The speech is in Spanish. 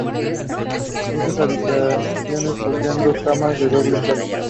Muchas habitaciones poseen dos camas de doble plaza.